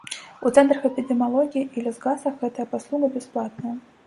У цэнтрах эпідэміялогіі і лясгасах гэтая паслуга бясплатная.